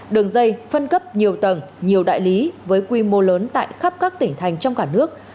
đường dây phân cấp nhiều tầng nhiều đại lý với quy mô lớn tại khắp các tỉnh thành trong cả nước